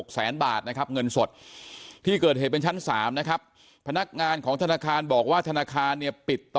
แสนบาทนะครับเงินสดที่เกิดเหตุเป็นชั้น๓นะครับพนักงานของธนาคารบอกว่าธนาคารเนี่ยปิดต่อ